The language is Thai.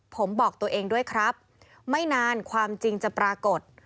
ผมบอกตัวเองด้วยครับไม่นานความจริงจะปรากฏ